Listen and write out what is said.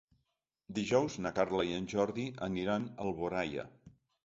Dijous na Carla i en Jordi aniran a Alboraia.